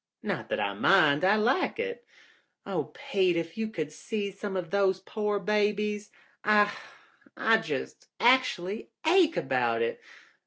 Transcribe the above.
Not that I mind. I like it. Oh, Pete, if you could see some of those poor babies. I — I just actually ache about it.